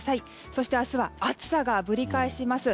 そして明日は暑さがぶり返します。